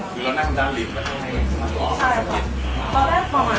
ว่าสกิดตรงไหน